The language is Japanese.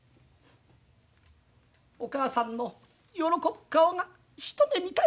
お母さんの喜ぶ顔が一目見たい。